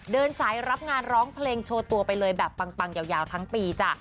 เดินสายรับงานร้องเพลงโชว์ตัวไปเลยแบบปังยาวทั้งปีจ้ะ